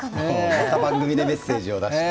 また番組でメッセージを出して。